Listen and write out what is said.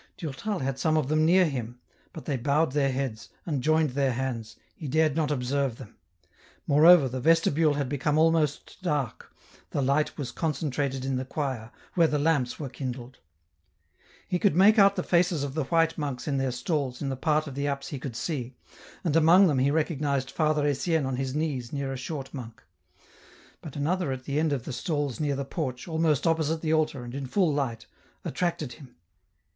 Durtal had some of them near him ; but they bowed their heads, and joined their hands, he dared not observe them ; moreover, the vestibule had become almost dark, the light was concentrated in the choir, where the lamps were kindled. He could make out the faces of the white monks in their stalls in the part of the apse he could see, and among them he recognized Father Etienne on his knees near a short monk J but another at the end of the stalls near the M 2 l64 EN ROUTE. porch, almost opposite the altar, and in full light, attracted him.